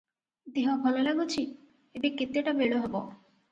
"ଦେହ ଭଲ ଲାଗୁଚି! ଏବେ କେତେଟା ବେଳ ହବ?